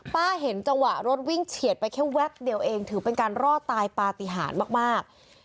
เห็นจังหวะรถวิ่งเฉียดไปแค่แป๊บเดียวเองถือเป็นการรอดตายปฏิหารมาก